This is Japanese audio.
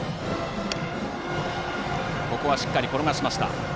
しっかり転がしました。